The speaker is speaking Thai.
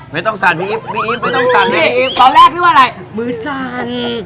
ไม่ต้องสั่นพี่อิ๊ปอะไรตอนแรกเรียกว่าอะไรมือสั่น